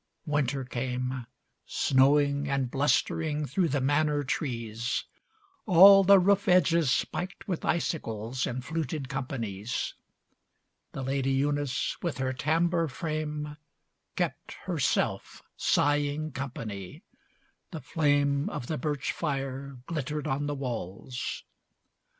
Winter came Snowing and blustering through the Manor trees. All the roof edges spiked with icicles In fluted companies. The Lady Eunice with her tambour frame Kept herself sighing company. The flame Of the birch fire glittered on the walls.